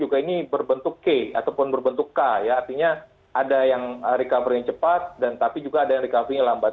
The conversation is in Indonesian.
walaupun juga ini berbentuk k ataupun berbentuk k ya artinya ada yang recovery yang cepat dan tapi juga ada yang recovery yang lambat